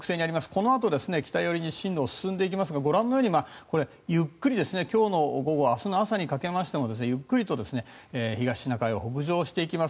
このあと北寄りに進路を進んでいきますがご覧のようにゆっくりと今日の午後、明日の朝にかけてもゆっくりと東シナ海を北上していきます。